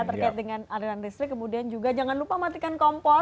terkait dengan aliran listrik kemudian juga jangan lupa matikan kompor